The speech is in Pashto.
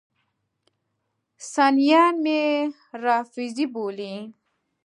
سنیان مې رافضي بولي.